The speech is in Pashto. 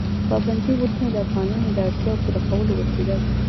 پابندي غرونه د افغانانو د اړتیاوو پوره کولو وسیله ده.